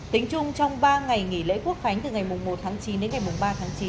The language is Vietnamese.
tính chung trong ba ngày nghỉ lễ quốc khánh từ ngày một tháng chín đến ngày ba tháng chín